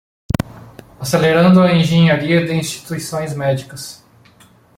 Acelerando a engenharia de instituições médicas